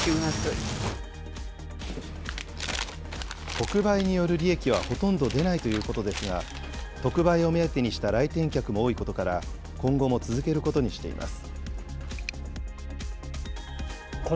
特売による利益はほとんど出ないということですが、特売を目当てにした来店客も多いことから、今後も続けることにしています。